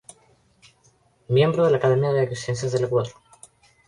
Miembro de la Academia de Ciencias del Ecuador